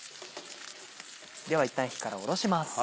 ではいったん火から下ろします。